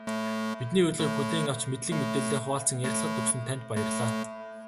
Бидний урилгыг хүлээн авч, мэдлэг мэдээллээ хуваалцан ярилцлага өгсөн танд баярлалаа.